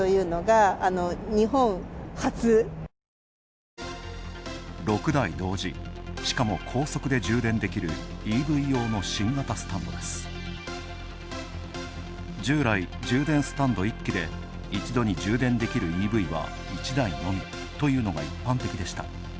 従来、充電スタンド１基で一度に充電できるＥＶは１台のみというのが一般的でした。